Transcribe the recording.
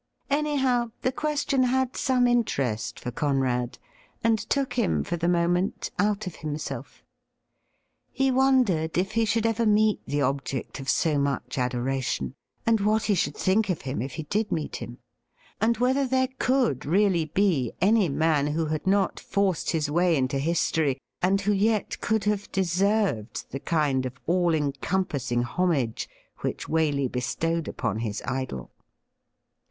Anyhow, the question had some interest for Conrad, and took him for the moment out of himself. He wondered if he should ever meet the object of so much adoration, and what he should think of him if he did meet him, and whether there could really be any man who had not forced his way into history, and who yet could have deserved the kind of all encompassing homage which Waley bestowed upon his idol.